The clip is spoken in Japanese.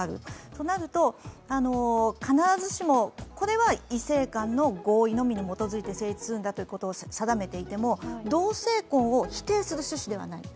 となると、必ずしもこれは異性間の合意のみに基づいて成立するんだということを定めていても同性婚を否定する趣旨ではない。